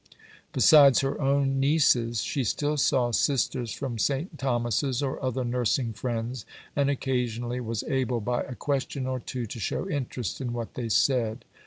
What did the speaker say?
Besides her own "nieces," she still saw Sisters from St Thomas's or other nursing friends, and occasionally was able by a question or two to show interest in what they said.